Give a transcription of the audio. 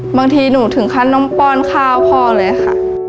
บางทีหนูถึงขั้นต้องป้อนข้าวพ่อเลยค่ะ